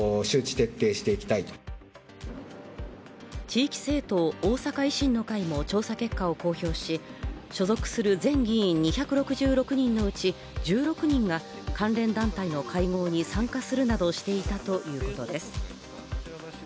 地域政党・大阪維新の会も調査結果を公表し所属する全議員２６６人のうち１６人が関連団体の会合に参加するなどしていたということです。